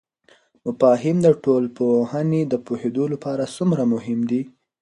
مفاهیم د ټولنپوهنې د پوهیدو لپاره څومره مهم دي؟